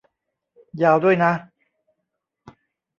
ยาวด้วยนะ